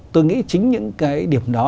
tôi nghĩ chính những cái điểm đó